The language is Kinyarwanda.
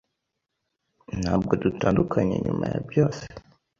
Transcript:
Ntabwo dutandukanye nyuma ya byose.